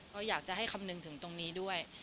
เราอยากจะให้คำนึงถึงตรงนี้ด้วย